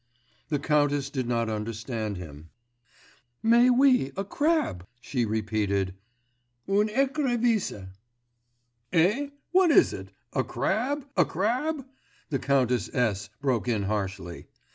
The countess did not understand him. 'Mais oui, a crab,' she repeated, 'une écrevisse.' 'Eh? what is it? a crab? a crab?' the Countess S. broke in harshly.